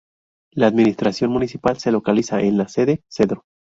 La administración municipal se localiza en la sede: Cedro.